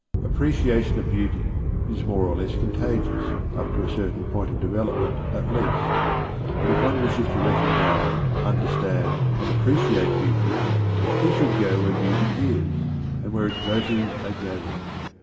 Appreciation of beauty is more or less contagious, up to a certain point of development, at least, and if one wishes to recognize, understand, and appreciate beauty, he should go where beauty is, and where its votaries are gathered.